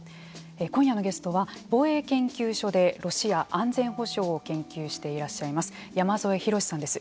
今夜のゲストは防衛研究所でロシア安全保障を研究していらっしゃいます山添博史さんです。